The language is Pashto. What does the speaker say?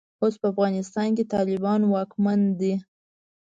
اوس په افغانستان کې د طالبانو واکمني ده.